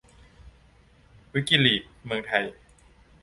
วิกิลีกส์เมืองไทย